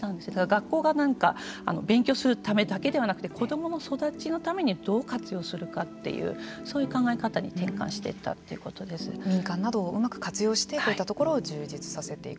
学校が勉強するためだけではなくて子どもの育ちのためにどう活用するかというそういう考え方に民間などをうまく活用してこういったところを充実させていく。